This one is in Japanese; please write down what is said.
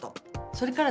それから